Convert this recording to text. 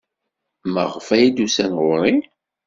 Maɣef ay d-usan ɣer-i?